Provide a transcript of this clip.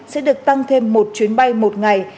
sẽ được tăng thêm một chuyến bay một ngày